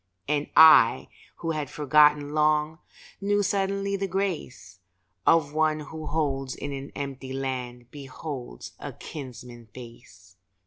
And I, who had forgotten long, Knew suddenly the grace Of one who in an empty land Beholds a kinsman's face.